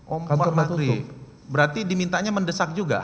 oh maghrib berarti dimintanya mendesak juga